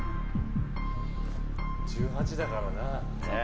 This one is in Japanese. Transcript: １８だからな。